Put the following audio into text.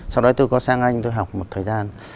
sau đó tôi có sang anh tôi học một thời gian